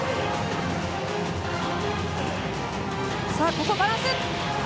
ここ、バランス！